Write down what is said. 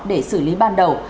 để xử lý ban đầu